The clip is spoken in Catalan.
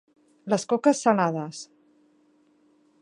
Les coques salades